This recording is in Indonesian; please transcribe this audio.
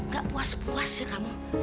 gak puas puas sih kamu